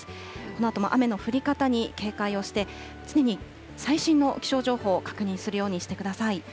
このあとも雨の降り方に警戒をして、常に最新の気象情報を確認するようにしてください。